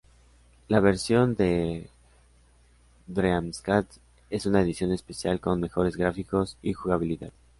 La versión de Dreamcast es una edición especial con mejores gráficos y jugabilidad.